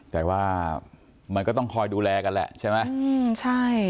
แต่ว่ามันก็ต้องคอยดูแลกันแหละใช่ไหม